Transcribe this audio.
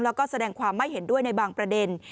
แล้วก็แสดงความไม่เห็นด้วยในบางประเด็น